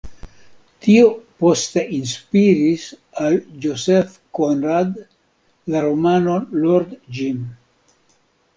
Tio poste inspiris al Joseph Conrad la romanon "Lord Jim".